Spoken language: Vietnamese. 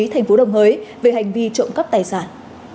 tp đồng hới về hành vi trộm cắp tài sản